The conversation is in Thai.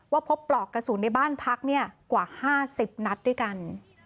พบปลอกกระสุนในบ้านพักกว่า๕๐นัดด้วยกัน